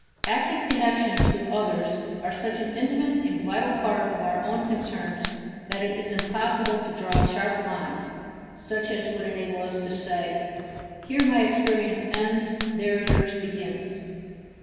Active connections with others are such an intimate and vital part of our own concerns that it is impossible to draw sharp lines, such as would enable us to say, "Here my experience ends; there yours begins."